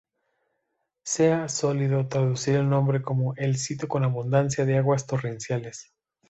Se ha solido traducir el nombre como "el sitio con abundancia de aguas torrenciales".